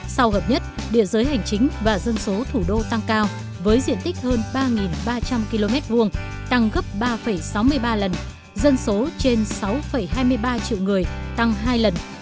sau hợp nhất địa giới hành chính và dân số thủ đô tăng cao với diện tích hơn ba ba trăm linh km hai tăng gấp ba sáu mươi ba lần dân số trên sáu hai mươi ba triệu người tăng hai lần